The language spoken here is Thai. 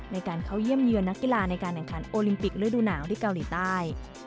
ในการเข้าเยี่ยมเยือนนักกีฬาในการแข่งขันโอลิมปิกฤดูหนาวที่เกาหลีใต้